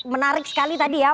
menarik sekali tadi ya